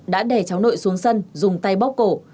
đã đè cháu nội xuống sân dùng tay bóc cổ